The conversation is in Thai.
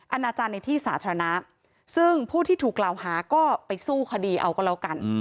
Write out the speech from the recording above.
ณาจารย์ในที่สาธารณะซึ่งผู้ที่ถูกกล่าวหาก็ไปสู้คดีเอาก็แล้วกัน